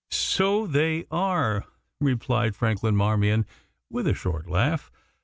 "So they are," replied Franklin Marmion, with a short laugh.